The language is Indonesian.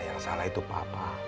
yang salah itu papa